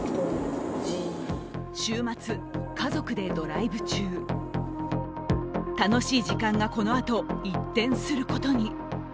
週末、家族でドライブ中楽しい時間が、このあと一転することに。